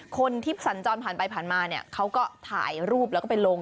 คนที่สัญจรผ่านไปผ่านมาเนี่ยเขาก็ถ่ายรูปแล้วก็ไปลง